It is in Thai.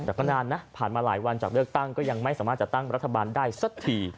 แต่ก็นานนะผ่านมาหลายวันจากเลือกตั้งก็ยังไม่สามารถจัดตั้งรัฐบาลได้สักที